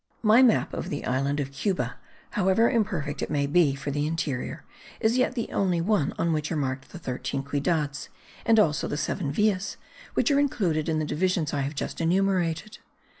My map of the island of Cuba, however imperfect it may be for the interior, is yet the only one on which are marked the thirteen ciudades; and also seven villas, which are included in the divisions I have just enumerated.